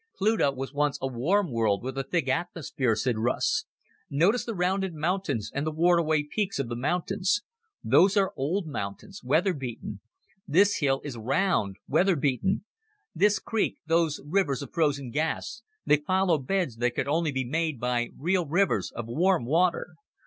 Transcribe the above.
"Pluto was once a warm world with a thick atmosphere," said Russ. "Notice the rounded hills and the worn away peaks of the mountains. Those are old mountains weather beaten. This hill is round weather beaten. This creek, those rivers of frozen gas they follow beds that could only be made by real rivers of warm water.